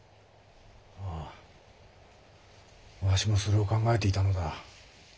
ああワシもそれを考えていたのだ。